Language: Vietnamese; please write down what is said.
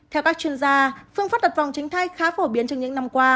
theo các chuyên gia phương pháp đặt vòng tránh thai khá phổ biến trong những năm qua